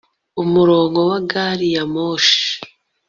umurongo wa gari ya moshi